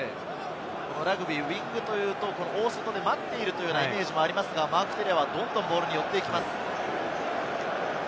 ラグビー、ウイングというと、大外で待っているというイメージもありますが、マーク・テレアはどんどんボールに寄っていきます。